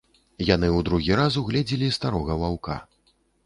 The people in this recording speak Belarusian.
Яны ў другі раз угледзелі старога ваўка.